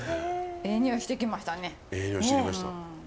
ええ匂いしてきました。